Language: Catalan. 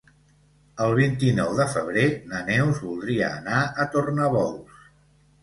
El vint-i-nou de febrer na Neus voldria anar a Tornabous.